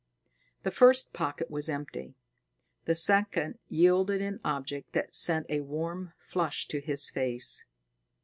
The first pocket was empty; the second yielded an object that sent a warm flush to his face.